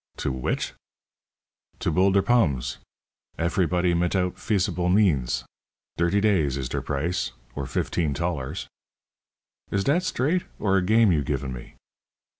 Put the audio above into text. "To which?" "To bull der pums eferybody mitout fisible means. Dirty days is der price, or fifteen tollars." "Is dat straight, or a game you givin' me?"